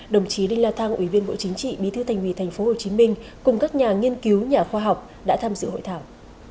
đồng chí linh la thang ủy viên bộ chính trị bí thư thành hủy tp hcm cùng các nhà nghiên cứu nhà khoa học đã tham dự hội thảo